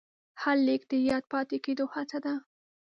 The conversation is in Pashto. هر لیک د یاد پاتې کېدو هڅه ده.